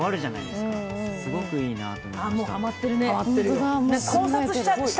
すごくいいなと思いました。